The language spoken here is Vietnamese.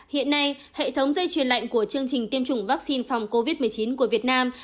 hiện nay hệ thống dây truyền lạnh của chương trình tiêm chủng vaccine phòng covid một mươi chín của việt nam